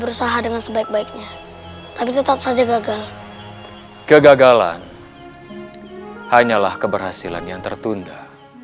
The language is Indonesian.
berusaha dengan sebaik baiknya tapi tetap saja gagal kegagalan hanyalah keberhasilan yang tertunda